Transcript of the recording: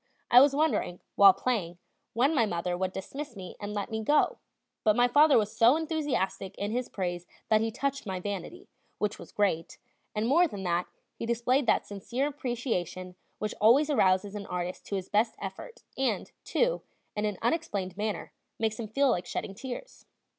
I was wondering, while playing, when my mother would dismiss me and let me go; but my father was so enthusiastic in his praise that he touched my vanity which was great and more than that; he displayed that sincere appreciation which always arouses an artist to his best effort, and, too, in an unexplainable manner, makes him feel like shedding tears.